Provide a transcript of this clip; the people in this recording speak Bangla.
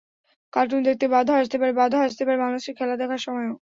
কার্টুন দেখতে বাধা আসতে পারে, বাধা আসতে পারে বাংলাদেশের খেলা দেখার সময়ও।